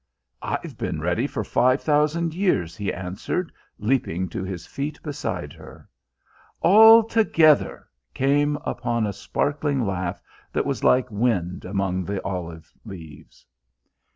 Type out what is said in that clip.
"I've been ready for five thousand years," he answered, leaping to his feet beside her. "Altogether!" came upon a sparkling laugh that was like wind among the olive leaves.